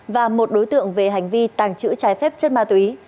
và một đối tượng về hành vi tàng trữ trái phép chất ma túy